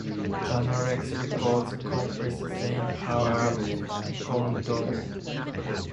"The Analects" record Confucius saying, "How I have gone downhill!